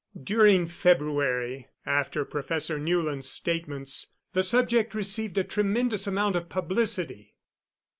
During February after Professor Newland's statements the subject received a tremendous amount of publicity.